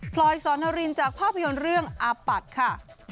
พลอยสอนนารินจากภาพยนตร์เรื่องอาปัดค่ะ